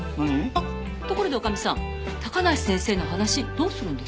あっところで女将さん高梨先生の話どうするんです？